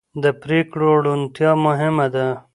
د پرېکړو روڼتیا مهمه ده